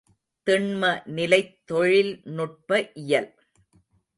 திண்ம நிலைத் தொழில்நுட்ப இயல்.